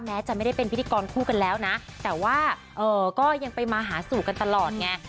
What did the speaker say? แม้จะไม่ได้เป็นพิธีกรคู่กันแล้วนะแต่ว่าก็ยังไปมาหาสู่กันตลอดไง